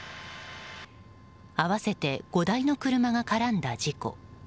合わせて５台の車が絡んだ事故。